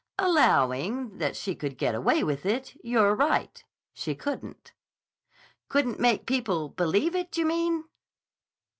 "Allowing that she could get away with it, you're right. She couldn't." "Couldn't make people believe it, you mean?"